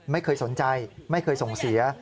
ไม่เคยสนใจไม่เคยส่งเสีย